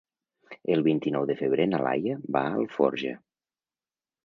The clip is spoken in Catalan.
El vint-i-nou de febrer na Laia va a Alforja.